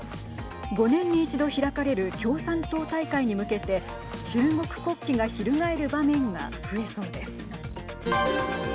５年に一度開かれる共産党大会に向けて中国国旗が翻る場面が増えそうです。